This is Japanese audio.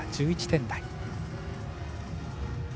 １１点台。